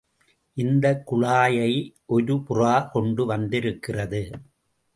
இந்தக் குழாயை ஒரு புறா கொண்டு வந்திருக்கிறது.